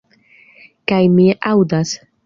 Kaj mi aŭdas.